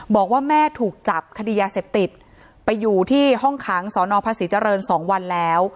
บอกว่าแม่ถูกจับคดียาเสพติดไปอยู่ที่ห้องขังสนภาษีเจริญ๒วันแล้ว